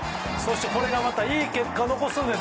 これがまたいい結果を残すんです。